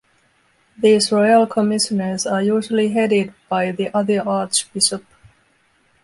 These royal commissioners are usually headed by the other archbishop.